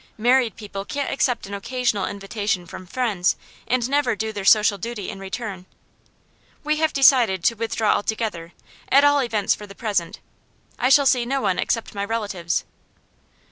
Married people can't accept an occasional invitation from friends and never do their social duty in return. We have decided to withdraw altogether at all events for the present. I shall see no one except my relatives.